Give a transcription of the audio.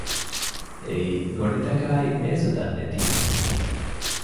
އެއީ ގޮނޑިތަކާއި މޭޒުތައް ނެތީމަ